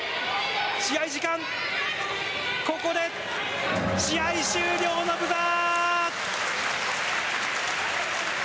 試合時間、ここで試合終了のブザー！